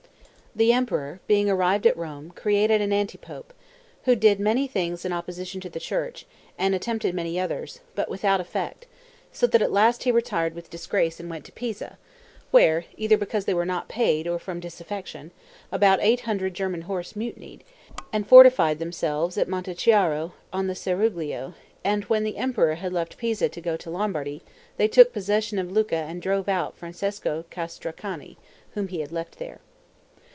The emperor, being arrived at Rome, created an anti pope, did many things in opposition to the church, and attempted many others, but without effect, so that at last he retired with disgrace, and went to Pisa, where, either because they were not paid, or from disaffection, about 800 German horse mutinied, and fortified themselves at Montechiaro upon the Ceruglio; and when the emperor had left Pisa to go into Lombardy, they took possession of Lucca and drove out Francesco Castracani, whom he had left there.